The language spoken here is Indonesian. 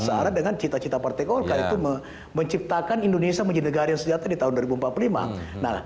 searah dengan cita cita partai golkar itu menciptakan indonesia menjadi negara yang sejahtera di tahun dua ribu empat puluh lima nah